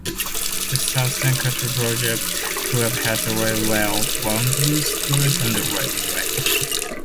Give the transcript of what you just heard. The Southern Catering Project Group has railway wagons stored on the railway.